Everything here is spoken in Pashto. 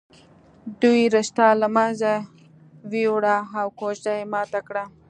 دوی رشته له منځه ويوړه او کوژده یې ماته کړه